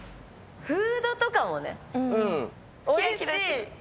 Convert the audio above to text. フードとかもね。